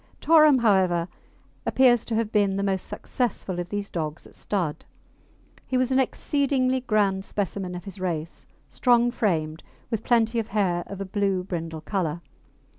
Torrum, however, appears to have been the most successful of these dogs at stud. He was an exceedingly grand specimen of his race, strong framed, with plenty of hair of a blue brindle colour.